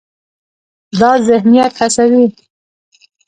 دا ذهنیت هڅوي،